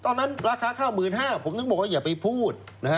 ตอนนั้นราคาเข้า๑๕๐๐๐บาทผมนึกบอกอย่าไปพูด